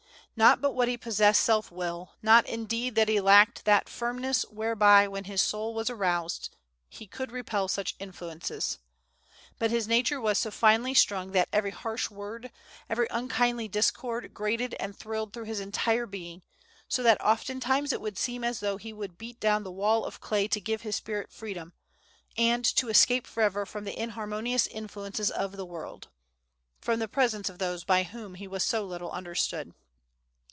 Not but what he possessed self will; not, indeed, that he lacked that firmness, whereby, when his soul was aroused, he could repel such influences. But his nature was so finely strung that every harsh word, every unkindly discord, grated and thrilled through his entire being, so that oftentimes it would seem as though he would beat down the wall of clay to give his spirit freedom, and to escape forever from the inharmonious influences of the world, from the presence of those by whom he was so little understood.